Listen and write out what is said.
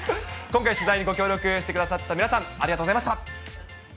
今回、取材にご協力してくださった皆さん、ありがとうございました。